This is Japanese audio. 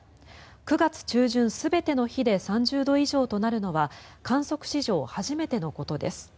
９月中旬全ての日で３０度以上となるのは観測史上初めてのことです。